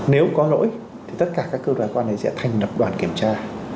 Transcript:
nếu có lỗi thì tất cả các cơ quan này sẽ thành lập đoàn kiểm tra